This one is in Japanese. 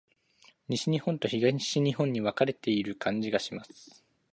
西日本と東日本で分かれている感じがします。